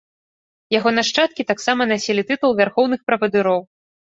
Яго нашчадкі таксама насілі тытул вярхоўных правадыроў.